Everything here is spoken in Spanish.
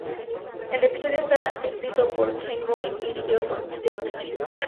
El episodio está escrito por Ken Goin y dirigido por Pete Michels.